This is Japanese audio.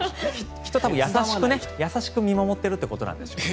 きっと優しく見守っているということなんでしょうね。